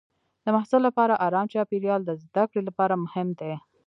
د محصل لپاره ارام چاپېریال د زده کړې لپاره مهم دی.